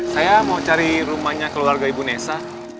saya mau cari rumahnya keluarga ibu nessa